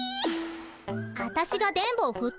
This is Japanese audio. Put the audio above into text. あたしが電ボをふったって？